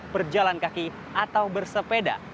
berjalan kaki atau bersepeda